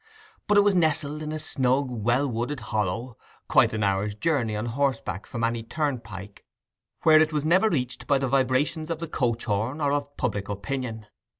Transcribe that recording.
But it was nestled in a snug well wooded hollow, quite an hour's journey on horseback from any turnpike, where it was never reached by the vibrations of the coach horn, or of public opinion.